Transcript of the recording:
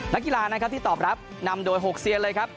นักกีฬานะครับที่ตอบรับนำโดย๖เซียนเลยครับ